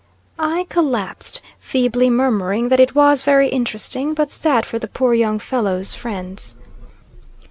I collapsed, feebly murmuring that it was very interesting, but sad for the poor young fellow's friends.